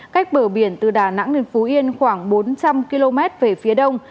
cách bờ biển từ đà nẵng đến phú yên khoảng bốn trăm linh km về phía đông